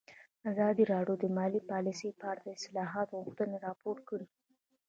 ازادي راډیو د مالي پالیسي په اړه د اصلاحاتو غوښتنې راپور کړې.